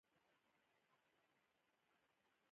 ګلان به غوږ غوږ وي شرنګا ته د خاموشو بنګړو